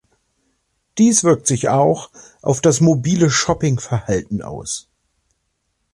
Dies wirkt sich auch auf das mobile-Shopping-Verhalten aus.